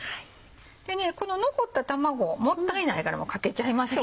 でねこの残った卵もったいないからかけちゃいましょう。